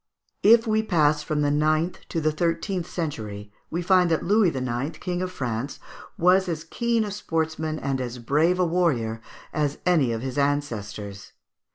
138). If we pass from the ninth to the thirteenth century, we find that Louis IX., king of France, was as keen a sportsman and as brave a warrior as any of his ancestors.